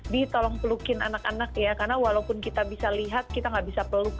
ditolong pelukin anak anak ya karena walaupun kita bisa lihat kita gak bisa peluk